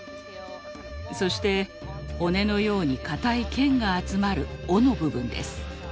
そして骨のように硬い腱が集まる尾の部分です。